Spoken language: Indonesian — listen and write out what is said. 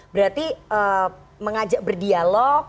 berarti mengajak berdialog